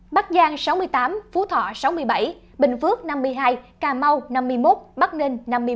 bắc giang sáu mươi tám phú thọ sáu mươi bảy bình phước năm mươi hai cà mau năm mươi một bắc ninh năm mươi bảy